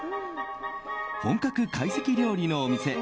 本格懐石料理のお店